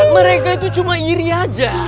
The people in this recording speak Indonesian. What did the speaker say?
mereka itu cuma iri aja